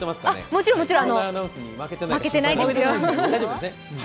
もちろん、もちろん、負けてないですよ。